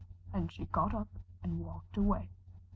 And she got up, and walked away.